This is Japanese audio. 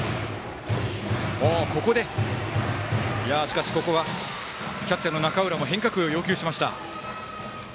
しかし、ここはキャッチャーの中浦も変化球を要求しました。